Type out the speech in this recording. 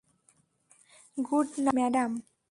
Good night, madam.